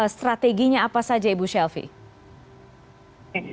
strateginya apa saja ibu shelfie